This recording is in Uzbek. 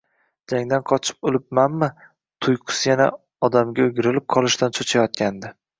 Jangdan qochib o‘libmanmi? Tuyqus yana odamga o‘girilib qolishdan cho‘chiyotgandim